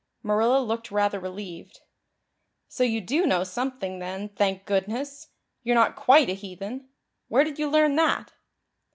Marilla looked rather relieved. "So you do know something then, thank goodness! You're not quite a heathen. Where did you learn that?"